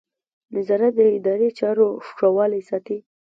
نظارت د اداري چارو ښه والی ساتي.